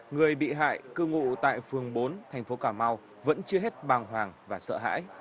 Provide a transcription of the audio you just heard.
người bị hại cư ngụ tại phường bốn thành phố cà mau vẫn chưa hết bàng hoàng và sợ hãi